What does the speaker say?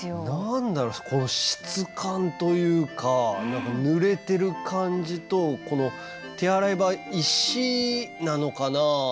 何だろこの質感というかなんかぬれてる感じとこの手洗い場石なのかなぁ。